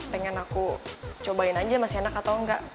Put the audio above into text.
pengen aku cobain aja masih enak atau enggak